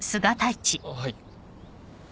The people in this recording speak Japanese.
あっはい。